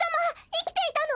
いきていたの？